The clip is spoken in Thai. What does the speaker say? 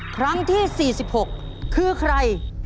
ครั้งที่๔๖คือใคร